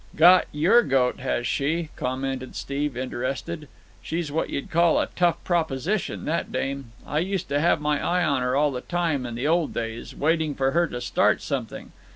"Got your goat, has she?" commented Steve, interested. "She's what you'd call a tough proposition, that dame. I used to have my eye on her all the time in the old days, waiting for her to start something.